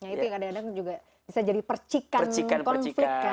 itu yang kadang kadang bisa jadi percikan konflik kan